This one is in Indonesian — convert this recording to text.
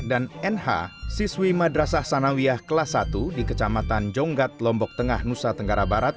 dan nh siswi madrasah sanawiah kelas satu di kecamatan jonggat lombok tengah nusa tenggara barat